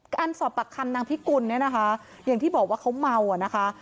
การสอบปากคำนางพิกุลเนี่ยนะคะอย่างที่บอกว่าเขาเมาอ่ะนะคะ